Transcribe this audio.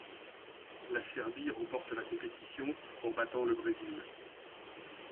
La Serbie remporte la compétition en battant le Brésil.